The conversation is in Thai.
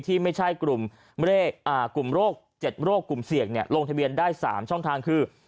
ที่ไม่ใช่กลุ่มโรค๗โรคกลุ่มเสี่ยงลงทะเบียนได้๓ช่องทางคือ